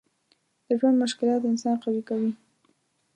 د ژوند مشکلات انسان قوي کوي.